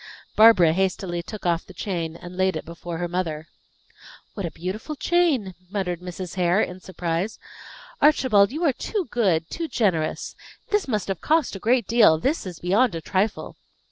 Barbara hastily took off the chain, and laid it before her mother. "What a beautiful chain!" muttered Mrs. Hare, in surprise. "Archibald, you are too good, too generous! This must have cost a great deal; this is beyond a trifle."